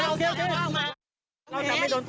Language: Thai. มันจอดอย่างง่ายอย่างง่ายอย่างง่าย